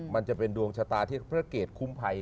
มันจะเป็นดวงชะตาที่พระเกตคุ้มภัย